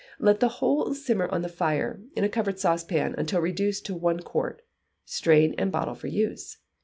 Let the whole simmer on the fire, in a covered saucepan, until reduced to one quart, strain, and bottle for use.